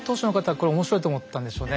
これ面白いと思ったんでしょうね。